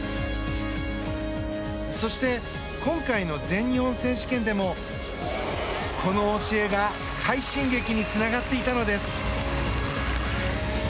そして、今回の全日本選手権でもこの教えが快進撃につながっていたのです。